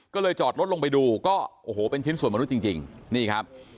ก็เลยจอดรถลงไปดูก็โอ้โหเป็นชิ้นส่วนมนุษย์จริงนี่ครับ